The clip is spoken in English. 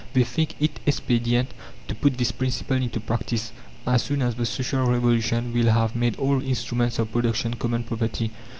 They think it expedient to put this principle into practice, as soon as the Social Revolution will have made all instruments of production common property.